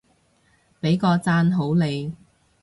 畀個讚好你